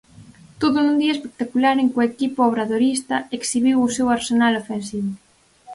Todo nun día espectacular en que o equipo obradoirista exhibiu o seu arsenal ofensivo.